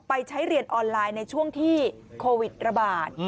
ไปใช้เรียนออนไลน์ในช่วงที่โควิดระบาด